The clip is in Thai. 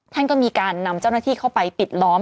ท่านก็มีการนำเจ้าหน้าที่เข้าไปปิดล้อม